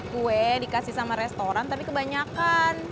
kue dikasih sama restoran tapi kebanyakan